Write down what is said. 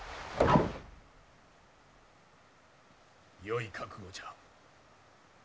よい覚悟じゃ。